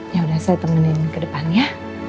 ya udah saya temenin ke depan ya